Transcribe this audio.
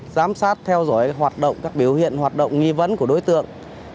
giám sát theo dõi các biểu hiện hoạt động nghi vấn của đối tượng